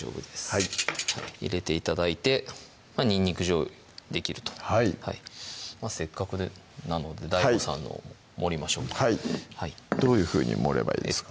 はい入れて頂いてにんにくじょうゆできるとせっかくなのでＤＡＩＧＯさんの盛りましょうかはいどういうふうに盛ればいいですか？